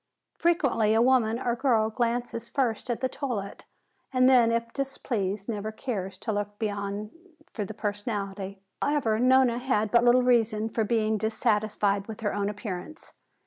Frequently a woman or girl glances first at the toilette, and then if displeased never cares to look beyond for the personality. However, Nona had but little reason for being dissatisfied with her own appearance.